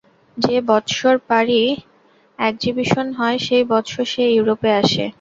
যে বৎসর পারি একজিবিশন হয়, সেই বৎসর সে ইউরোপে আসে।